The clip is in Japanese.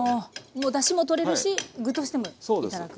もうだしもとれるし具としても頂く。